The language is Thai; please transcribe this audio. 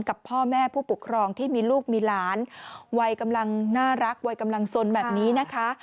กับพ่อแม่ผู้ปกครองที่มีลูกมีหลานวัยกำลังน่ารักวัยกำลังสนแบบนี้นะคะ